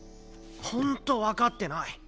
本当分かってない。